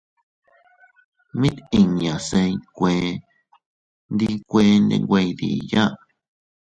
Mit inña se iykuee ndi kuende nwe iydiya.